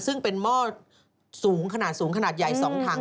ซึ่งเป็นหม้อสูงขนาดสูงขนาดใหญ่๒ถัง